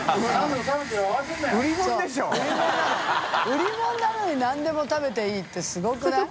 売り物なのになんでも食べていいってすごくない？